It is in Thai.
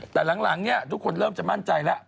แต่หลังเนี่ยทุกคนเริ่มจะมั่นใจแล้ว